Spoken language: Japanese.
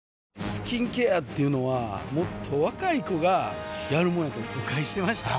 スキンケアっていうのはもっと若い子がやるもんやと誤解してました